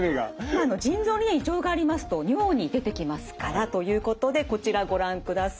腎臓に異常がありますと尿に出てきますからということでこちらご覧ください。